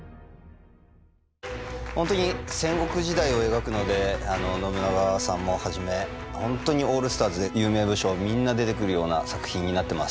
本当に戦国時代を描くので信長さんもはじめ本当にオールスターズで有名武将みんな出てくるような作品になってます。